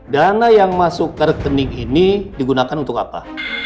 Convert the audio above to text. dana yang masuk ke rekening ini digunakan untuk apa